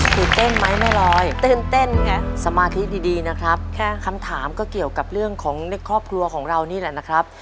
คือเต้นไหมแม่ลอยตื่นเต้นไงสมาธิดีนะครับคำถามก็เกี่ยวกับเรื่องของในครอบครัวของเรานี่แหละนะครับ